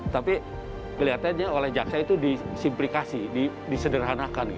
tapi kelihatannya oleh jaksa itu disimplikasi disederhanakan